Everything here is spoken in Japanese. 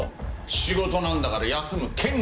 仕事なんだから休む権利がある。